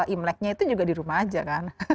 imleknya itu juga di rumah aja kan